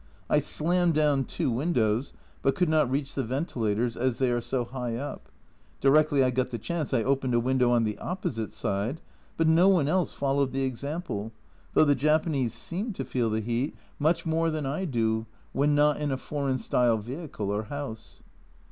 I slammed down two windows, but could not reach the ventilators, as they are so high up ; directly I got the chance, I opened a window on the opposite side, but no one else followed the example, though the Japanese seem to feel the heat much more 212 A Journal from Japan than I do, when not in a foreign style vehicle or house.